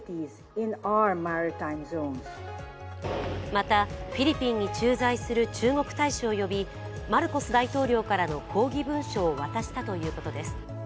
また、フィリピンに駐在する中国大使を呼びマルコス大統領からの抗議文書を渡したということです。